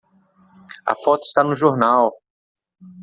A foto está no jornal!